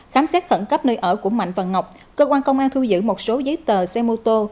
khám xét khẩn cấp nơi ở của mạnh và ngọc cơ quan công an thu giữ một số giấy tờ xe mô tô